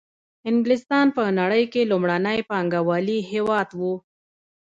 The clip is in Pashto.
انګلستان په نړۍ کې لومړنی پانګوالي هېواد وو